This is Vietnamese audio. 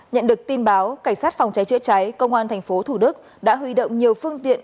nhận được tin báo cảnh sát phòng cháy chữa cháy công an tp thủ đức đã huy động nhiều phương tiện